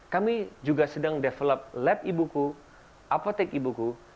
kami juga sedang develop lab ibuku apotek ibuku